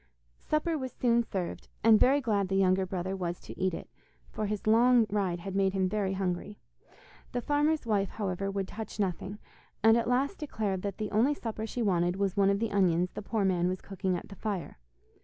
Supper was soon served, and very glad the younger brother was to eat it, for his long ride had made him very hungry. The farmer's wife, however, would touch nothing, and at last declared that the only supper she wanted was one of the onions the poor man was cooking at the fire.